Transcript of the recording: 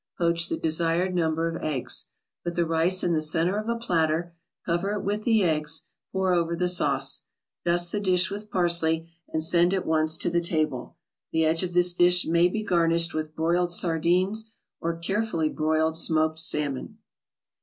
Poach the desired number of eggs. Put the rice in the center of a platter, cover it with the eggs, pour over the sauce. Dust the dish with parsley, and send at once to the table. The edge of this dish may be garnished with broiled sardines or carefully broiled smoked salmon.